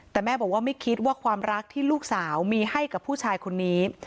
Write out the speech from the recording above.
แต่แม่บอกว่าไม่คิดว่าความรักที่ลูกสาวมีให้กับผู้ชายคนนี้